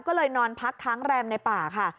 ก็เลยนอนพักค้างแรมในป่าค่ะ